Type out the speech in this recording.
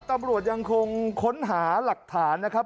ตำรวจยังคงค้นหาหลักฐานนะครับ